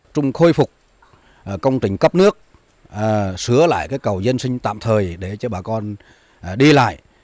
trung khôi phục công trình cấp nước sửa lại cầu dân sinh tạm thời để cho bà con đi lại